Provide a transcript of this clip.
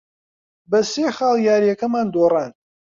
بە سێ خاڵ یارییەکەمان دۆڕاند.